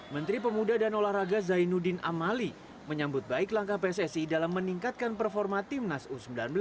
menteri pemuda dan olahraga zainuddin amali menyambut baik langkah pssi dalam meningkatkan performa timnas u sembilan belas